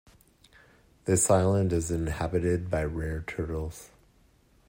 This island is inhabited by rare turtles.